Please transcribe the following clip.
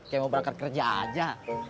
ya mau berangkat kerja aja